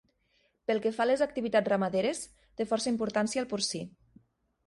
Pel que fa a les activitats ramaderes, té força importància el porcí.